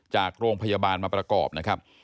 จากโรงพยาบาลมาประกอบนะครับ